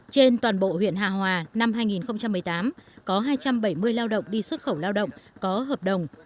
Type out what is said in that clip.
trên toàn bộ huyện hạ hòa năm hai nghìn một mươi tám có hai trăm bảy mươi lao động đi xuất khẩu lao động